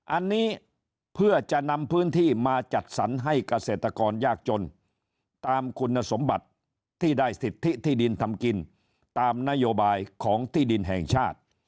อันนี้เพื่อจะนำพื้นที่มาจัดสรรให้เกษตรกรยากจนตามคุณสมบัติที่ได้สิทธิที่ดินทำกินตามนโยบายของที่ดินแห่งชาติ